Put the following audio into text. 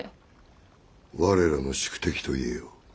我らの宿敵といえよう。